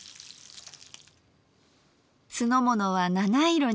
酢の物は七色に。